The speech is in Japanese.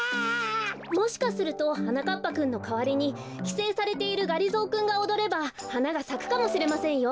もしかするとはなかっぱくんのかわりにきせいされているがりぞーくんがおどればはながさくかもしれませんよ。